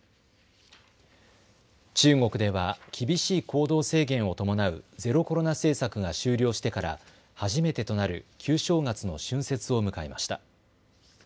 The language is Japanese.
中国では厳しい行動制限を伴うゼロコロナ政策が終了してから初めてとなる旧正月の春節を迎えました。